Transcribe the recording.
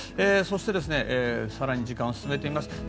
そして更に時間を進めてみます。